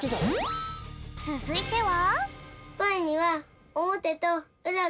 つづいては。